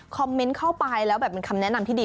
คอมเมนต์เข้าไปแล้วแบบเป็นคำแนะนำที่ดี